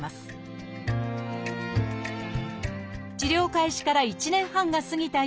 治療開始から１年半が過ぎた